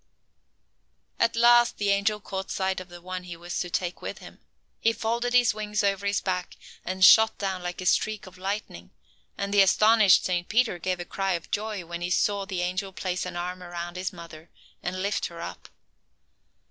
At last the angel caught sight of the one he was to take with him. He folded his wings over his back and shot down like a streak of lightning, and the astonished Saint Peter gave a cry of joy when he saw the angel place an arm around his mother and lift her up.